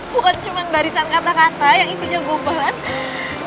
bukan cuma barisan kata kata yang isinya gobolan